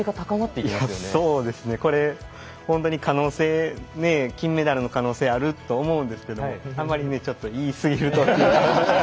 そうですよねこれ本当に可能性金メダルの可能性あると思うんですけれどあまりちょっと言いすぎるとね。